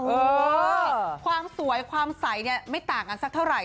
เออความสวยความใสเนี่ยไม่ต่างกันสักเท่าไหร